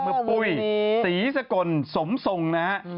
เมื่อปุ้ยสีสกลสมทรงนะฮะ